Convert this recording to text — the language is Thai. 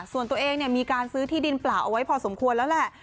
ส่วนตัวเองมีการซื้อที่ดินเปล่าเอาไว้พอสมควรแล้วแหละ